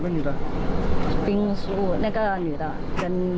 ก็ดูไม่นึกตอนนี้หรือไม่ถึง